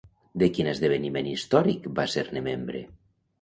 De quin esdeveniment històric va ser-ne membre?